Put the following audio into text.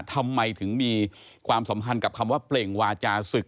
ทำไมถึงมีความสัมพันธ์กับคำว่าเปล่งวาจาศึก